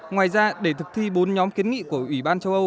ngoài ra để thực thi bốn nhóm kiến nghị của ủy ban châu âu